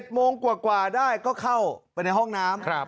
โมงกว่าได้ก็เข้าไปในห้องน้ำ